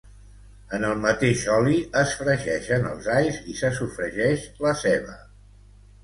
en el mateix oli, es fregeixen els alls i se sofregeix la ceba